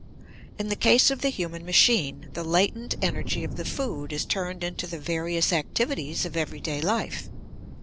In the case of the human machine, the latent energy of the food is turned into the various activities of everyday life.